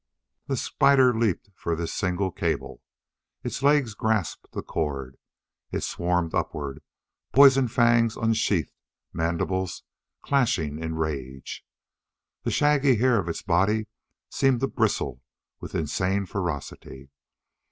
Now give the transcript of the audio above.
The spider leaped for this single cable. Its legs grasped the cord. It swarmed upward, poison fangs unsheathed, mandibles clashing in rage. The shaggy hair of its body seemed to bristle with insane ferocity.